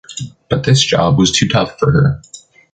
But this job was too tough for her.